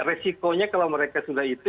resikonya kalau mereka sudah itu